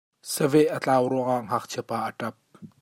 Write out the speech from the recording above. Saveh a tlau ruangah Ngakchiapa a ṭap.